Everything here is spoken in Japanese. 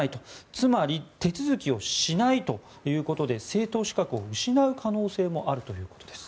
つまり手続きをしないということで政党資格を失う可能性もあるということです。